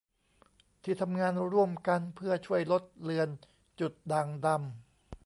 ที่ทำงานร่วมกันเพื่อช่วยลดเลือนจุดด่างดำ